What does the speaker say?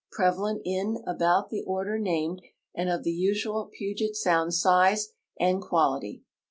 prevalent in about the order named and of the usual Puget sound size and quality.